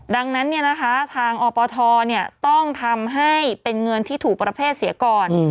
ดังนั้นทางอปทต้องทำให้เป็นเงินที่ถูกประเภทเสียก่อน